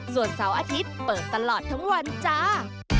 ส่วนเสาอาทิตย์เปิดทั้งวันทั้งวันจ๊า